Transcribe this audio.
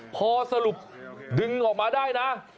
พอสรุปดึงออกมาได้นะ